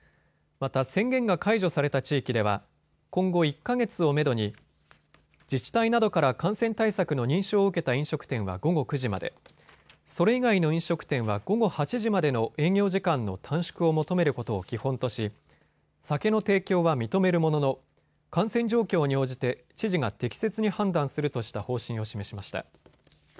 また宣言が解除された地域では今後１か月をめどに自治体などから感染対策の認証を受けた飲食店は午後９時まで、それ以外の飲食店は午後８時までの営業時間の短縮を求めることを基本とし酒の提供は認めるものの感染状況に応じて知事が適切に判断するとした方針を示しました。